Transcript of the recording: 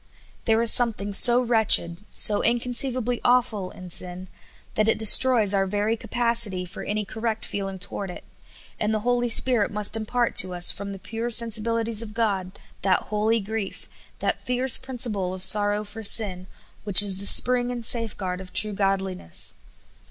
There is something so wretched, so inconceivably awful, in sin, that it de stroys our very capacity for any correct feeling toward it ; and the Holy Spirit must impart to us, from the pure sensibilities of God, that holy grief, that fierce principle of sorrow for sin, which is the spring and safeguard of true godliness.